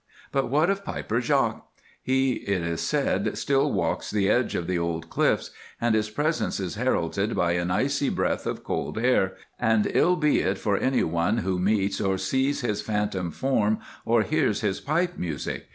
But what of "Piper Jock?" He, it is said, still walks the edge of the old cliffs; and his presence is heralded by an icy breath of cold air, and ill be it for anyone who meets or sees his phantom form or hears his pipe music.